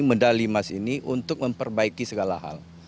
medali emas ini untuk memperbaiki segala hal